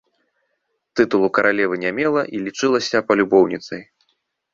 Тытулу каралевы не мела і лічылася палюбоўніцай.